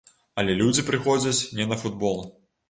Але людзі прыходзяць не на футбол.